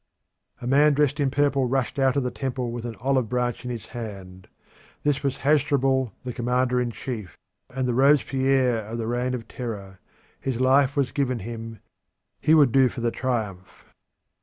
A man dressed in purple rushed out of the temple with an olive branch in his hand. This was Hasdrubal, the commander in chief, and the Robespierre of the reign of terror. His life was given him; he would do for the triumph.